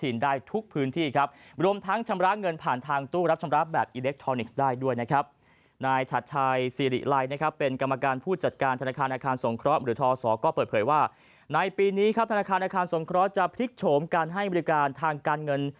ในปีนี้ครับธนาคารอาคารสงเคราะห์จะพลิกโฉมการให้บริการทางการเงิน